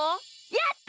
やった！